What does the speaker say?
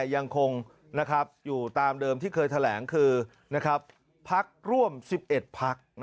ยังคงอยู่ตามเดิมที่เคยแถลงคือพักร่วม๑๑พัก